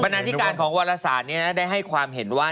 บรรณานิการของวรษาได้ให้ความเห็นว่า